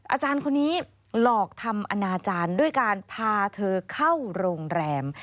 อาจารย์คนนี้หลอกทำอนาจารย์ด้วยการพาเธอเข้าโรงแรม